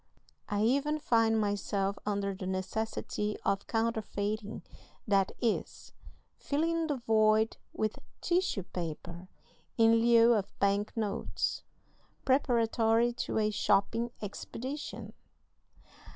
I even find myself under the necessity of counterfeiting that is, filling the void with tissue paper in lieu of bank notes, preparatory to a shopping expedition.